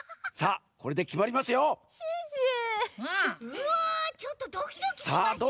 うわちょっとドキドキしますねこれ。